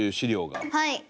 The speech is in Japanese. はい。